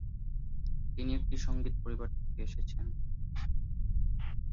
তিনি একটি সংগীত পরিবার থেকে এসেছেন।